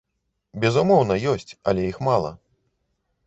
Безумоўна, ёсць, але іх мала.